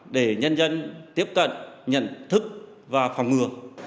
để nhân dân tiếp cận nhận thức và phòng ngừa